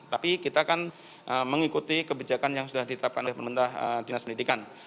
tapi kita kan mengikuti kebijakan yang sudah ditetapkan oleh pemerintah dinas pendidikan